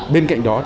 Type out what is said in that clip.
bên cạnh đó